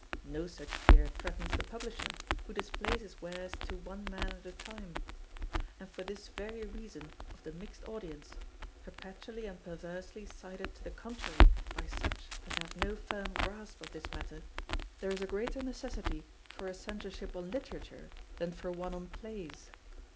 No such fear threatens the publisher, who displays his wares to one man at a time. And for this very reason of the mixed audience; perpetually and perversely cited to the contrary by such as have no firm grasp of this matter, there is a greater necessity for a Censorship on Literature than for one on Plays.